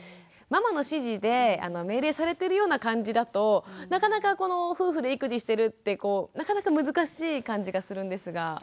ママの指示で命令されてるような感じだとなかなか夫婦で育児してるってこうなかなか難しい感じがするんですが。